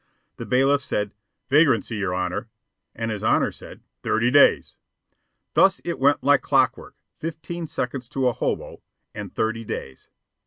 The bailiff said, "Vagrancy, your Honor," and his Honor said, "Thirty days." Thus it went like clockwork, fifteen seconds to a hobo and thirty days.